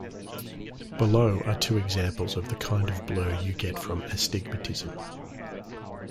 Below are two examples of the kind of blur you get from astigmatism.